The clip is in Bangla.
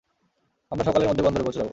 আমরা সকালের মধ্যেই বন্দরে পৌঁছে যাব।